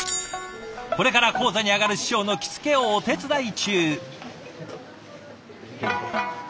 これから高座に上がる師匠の着付けをお手伝い中。